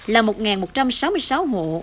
là một một trăm sáu mươi sáu hộ